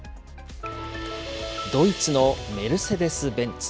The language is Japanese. ドイツのメルセデス・ベンツ。